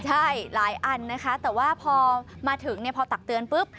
ใช่หลายอันนะคะแต่ว่าพอมาถึงพอตักเตือนปุ๊บ